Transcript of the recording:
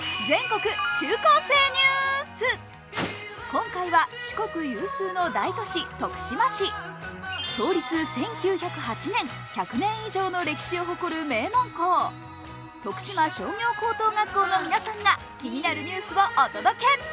今回は四国有数の大都市、徳島市創立１９０８年、１００年以上の歴史を誇る名門校徳島商業高等学校の皆さんが、気になるニュースをお届け。